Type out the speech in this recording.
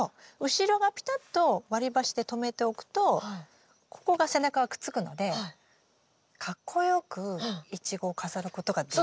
後ろがピタッと割り箸で留めておくとここが背中がくっつくのでかっこよくイチゴを飾ることができるんです。